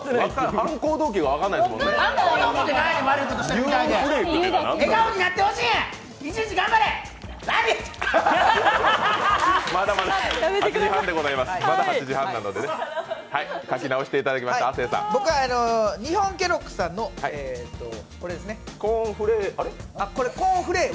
犯行動機が分からないですもんね、ユーンフレーク。